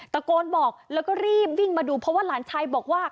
ตะโกนบอกแล้วก็รีบวิ่งมาดูเพราะว่าหลานชายบอกว่า